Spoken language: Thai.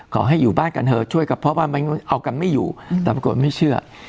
ขอให้อยู่บ้านกันเถอะช่วยกันเพราะว่าเอากันไม่อยู่ตำรวจไม่เชื่อ